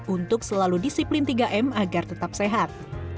untuk selalu disiplin tiga m agar tetap sehat